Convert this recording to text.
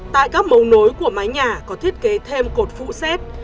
tại các mấu nối của mái nhà có thiết kế thêm cột phụ xét